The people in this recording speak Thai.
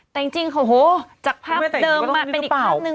แต่จริงโอ้โหจากภาพเดิมมาเป็นอีกภาพนึง